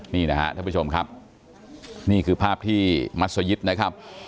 นี่นะครับท่านผู้ชมครับนี่คือภาพที่มัศยิตนะครับ